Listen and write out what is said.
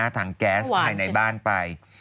ถังแก๊สภายในบ้านไป